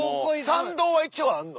山道は一応あんの？